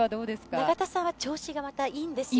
永田さんは調子がいいんですよ。